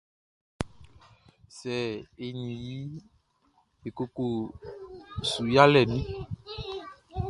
Sɛ e ni i e kokoli su yalɛʼn ni?